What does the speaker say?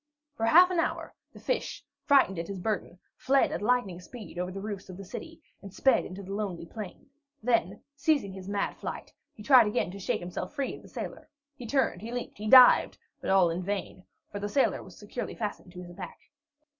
For half an hour, the fish, frightened at his burden, fled at lightning speed over the roofs of the city, and sped on into the lonely plain. Then, ceasing his mad flight, he tried again to shake himself free of the sailor. He turned, he leaped, he dived, but all in vain, for the sailor was securely fastened to his back.